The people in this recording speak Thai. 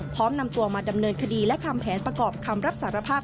พร้อมนำตัวมาดำเนินคดีและทำแผนประกอบคำรับสารภาพ